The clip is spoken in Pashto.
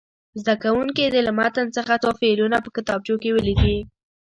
زده کوونکي دې له متن څخه څو فعلونه په کتابچو کې ولیکي.